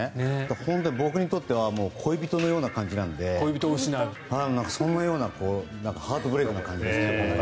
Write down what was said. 本当に僕にとっては恋人のような感じなのでそんなようなハートブレークな感じで。